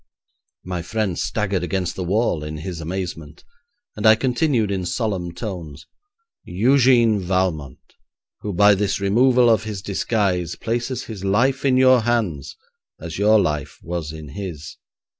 My friend staggered against the wall in his amazement, and I continued in solemn tones, 'Eugène Valmont, who by this removal of his disguise places his life in your hands as your life was in his.